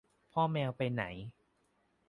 พ่อแมวไปไหน